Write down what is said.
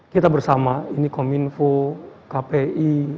kita bersama ini kominfo kpi